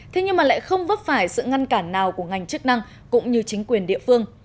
thế nhưng mà lại không vấp phải sự ngăn cản nào của ngành chức năng cũng như chính quyền địa phương